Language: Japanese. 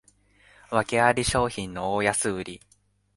わけあり商品の大安売り